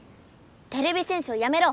てれび戦士をやめろ。